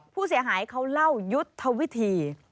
ผู้เสียหายเขาเล่ายุทธวิธี